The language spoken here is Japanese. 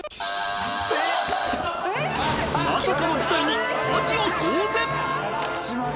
［まさかの事態にスタジオ騒然！］